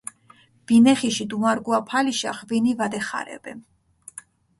ბინეხიში დუმარგუაფალიშა ღვინი ვადეხარებე.